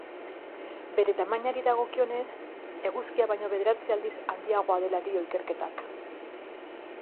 Bere tamainari dagokionez, eguzkia baino bederatzi aldiz handiagoa dela dio ikerketak.